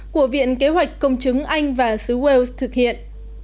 của viện kế hoạch công chứng anh và sứ wales thực hiện